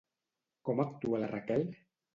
Com actua la Raquel?